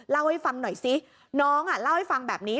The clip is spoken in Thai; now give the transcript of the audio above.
เล่าให้ฟังหน่อยซิน้องเล่าให้ฟังแบบนี้